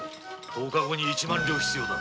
十日後に一万両必要だ。